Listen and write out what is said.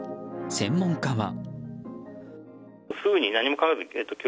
専門家は。